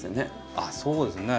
あっそうですね。